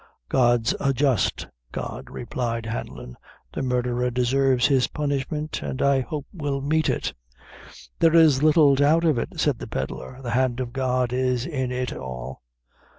"God's a just God," replied Hanlon "the murderer deserves his punishment, an' I hope will meet it." "There is little doubt of it," said the pedlar, "the hand of God is in it all."